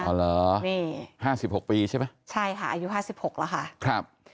อ๋อหรอนี่๕๖ปีใช่ไหมใช่ค่ะอายุ๕๖อะค่ะครับ